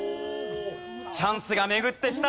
チャンスが巡ってきた。